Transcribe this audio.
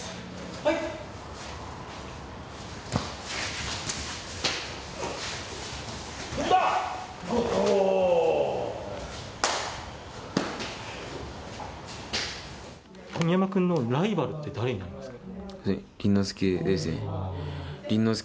・はい組んだおお冨山くんのライバルって誰になりますか